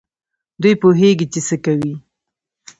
دوی پوهېږي چي څه کوي.